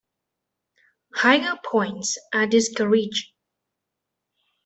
Higher points are discouraged.